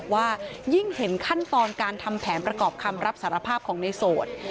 ว่ายิ่งเห็นขั้นตอนการทำแผนประกอบคำรับสารภาพของในโสด